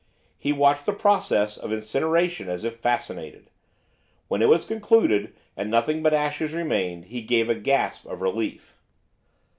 He watched the process of incineration as if fascinated. When it was concluded, and nothing but ashes remained, he gave a gasp of relief.